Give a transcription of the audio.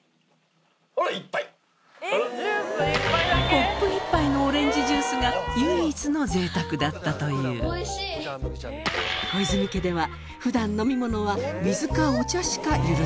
コップ１杯のオレンジジュースが唯一の贅沢だったというお正月は？